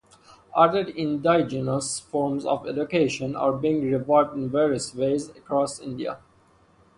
Other indigenous forms of education are being revived in various ways across India.